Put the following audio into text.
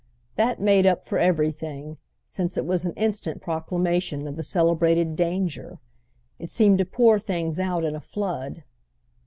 That made up for everything, since it was an instant proclamation of the celebrated "danger"; it seemed to pour things out in a flood.